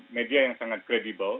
media yang sangat kredibel